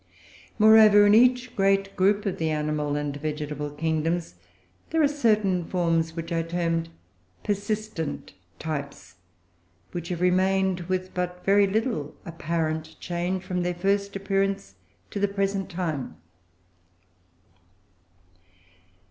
Moreover, in each great group of the animal and vegetable kingdoms, there are certain forms which I termed PERSISTENT TYPES, which have remained, with but very little apparent change, from their first appearance to the present time.